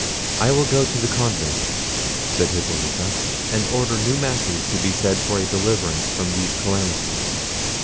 "I will go to the convent," said Hippolita, "and order new masses to be said for a deliverance from these calamities."